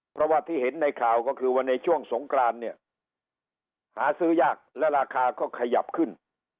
เพราะว่าที่เห็นในข่าวก็คือว่าในช่วงสงกรานเนี่ยหาซื้อยากและราคาก็ขยับขึ้น